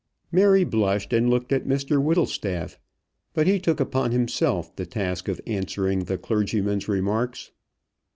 Mary blushed, and looked at Mr Whittlestaff. But he took upon himself the task of answering the clergyman's remarks.